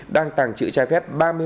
đang tàng trự trái phép chất mà tuý